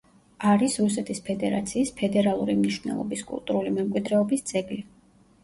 არის რუსეთის ფედერაციის ფედერალური მნიშვნელობის კულტურული მემკვიდრეობის ძეგლი.